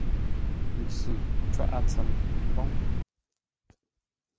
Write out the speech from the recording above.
Ntsʉ cwáʼa tsəm mboŋ.